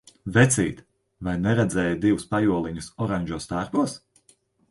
Vecīt, vai neredzēji divus pajoliņus oranžos tērpos?